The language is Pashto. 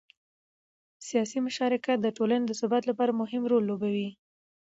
سیاسي مشارکت د ټولنې د ثبات لپاره مهم رول لوبوي